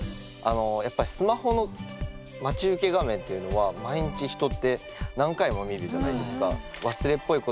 やっぱスマホの待ち受け画面っていうのは毎日人って何回も見るじゃないですか。